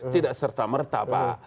tidak serta merta pak